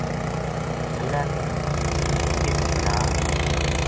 اللہ نے اس بلا